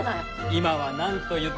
今は何と言っても。